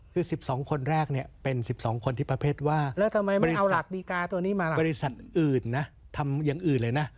คือ๑๒คนแรกเป็น๑๒คนที่ประเภทว่าบริษัทอื่นนะทำอย่างอื่นเลยนะ